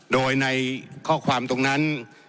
โดยในข้อความตรงนั้น